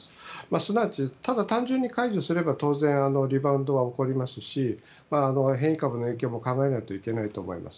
すなわち、ただ単純に解除すればリバウンドは当然起こりますし変異株の影響も考えないといけないと思います。